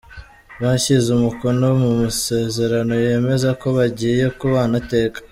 Bashyize umukono ku masezerano yemeza ko bajyiye kubana iteka .